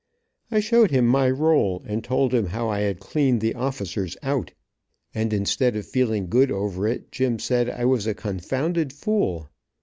I showed him my roll, and told him how I had cleaned the officers out, and instead of feeling good over it, Jim said I was a confounded fool.